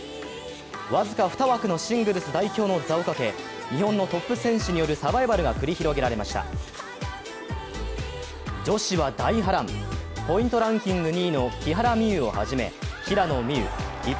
僅か２枠のシングルス代表の座をかけ、日本のトップ選手によるサバイバルが繰り広げられました女子は大波乱、ポイントランキング２位の木原美悠をはじめ平野美宇、伊藤